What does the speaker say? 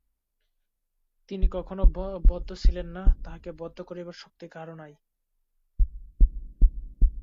তিনি কখনও বদ্ধ ছিলেন না, তাঁহাকে বদ্ধ করিবার শক্তি কাহারও নাই।